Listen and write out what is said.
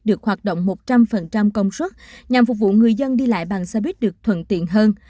được hoạt động một trăm linh công suất nhằm phục vụ người dân đi lại bằng xe buýt được thuận tiện hơn